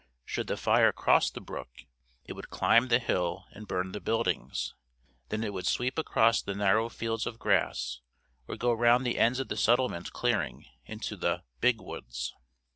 Should the fire cross the brook, it would climb the hill and burn the buildings. Then it would sweep across the narrow fields of grass, or go round the ends of the settlement clearing, into the "big woods."